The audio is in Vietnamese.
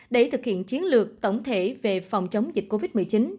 để thực hiện chiến lược tổng thể về phòng chống dịch covid một mươi chín